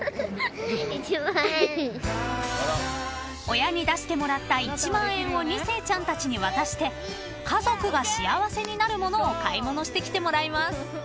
［親に出してもらった１万円を２世ちゃんたちに渡して家族が幸せになるものを買い物してきてもらいます］